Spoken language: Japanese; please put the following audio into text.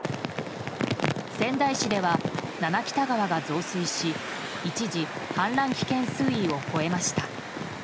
仙台市では、七北田川が増水し一時、氾濫危険水位を超えました。